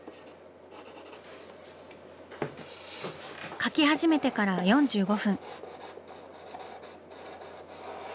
描き始めてから４５分。